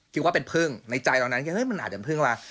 คิดว่าเป็นพึ่งในใจตอนนั้นมันอาจจะเป็นพึ่งมา